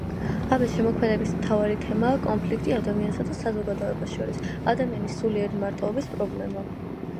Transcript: აბეს შემოქმედების მთავარი თემაა კონფლიქტი ადამიანსა და საზოგადოებას შორის, ადამიანის სულიერი მარტოობის პრობლემა.